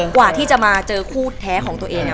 กว่าที่จะมาเจอคู่แท้ของตัวเอง